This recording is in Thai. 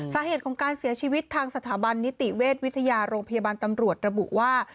สาเหตุของการเสียชีวิตทางสถาบันนิติเวชวิทยาโรงพยาบาลตำรวจระบุว่า